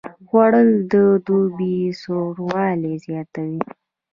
خوړل د دوبي سوړوالی زیاتوي